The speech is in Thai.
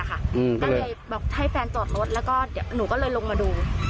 ก็เลยบอกให้แฟนจอดรถแล้วหนูก็เลยลงมาดู